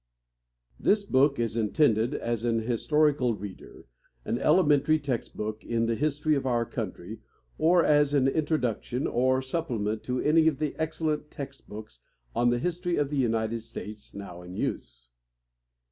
This book is intended as an historical reader, an elementary text book in the history of our country, or as an introduction or supplement to any of the excellent text books on the history of the United States now in use.